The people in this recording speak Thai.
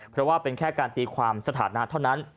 เพราะว่าเป็นแค่การตีความสถานะเท่านั้น